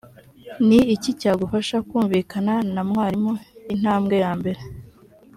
ni iki cyagufasha kumvikana na mwarimu intambwe yambere